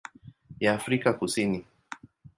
ya Afrika Kusini.